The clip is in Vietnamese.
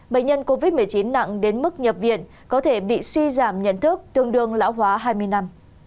bệnh nhân covid một mươi chín nặng đến mức nhập viện có thể bị suy giảm nhận thức tương đương lão hóa hai mươi năm